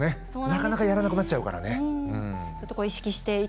なかなかやらなくなっちゃうからね。